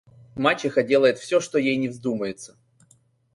Мачеха делает всё, что ей ни вздумается.